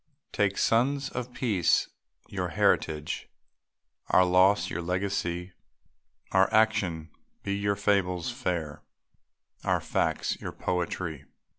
Take, sons of peace, your heritage Our loss, your legacy; Our action be your fables fair, Our facts, your poetry.